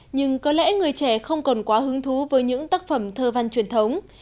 nhưng có lẽ người trẻ không còn quá hứng thú với những tác phẩm thơ văn truyền thống